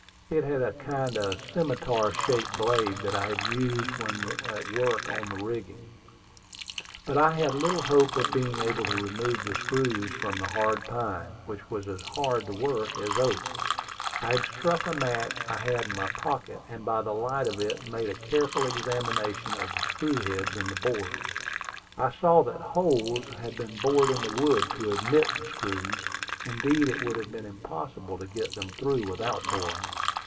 It had a kind of scimitar shaped blade I had used when at work on rigging. But I had little hope of being able to remove the screws from the hard pine, which was as hard to work as oak. I struck a match I had in my pocket, and by the light of it made a careful examination of the screw heads in the boards. I saw that holes had been bored in the wood to admit the screws: indeed, it would have been impossible to get them through without boring.